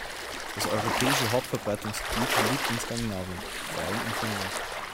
Das europäische Hauptverbreitungsgebiet liegt in Skandinavien, vor allem in Finnland.